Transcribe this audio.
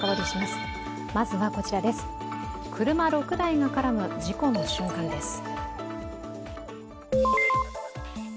車６台が絡む事故の瞬間です。